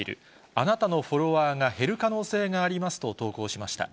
あなたのフォロワーが減る可能性がありますと投稿しました。